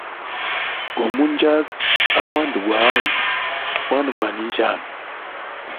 Gumu njaga amwanda gwa ayi mwana gwa ninjyami.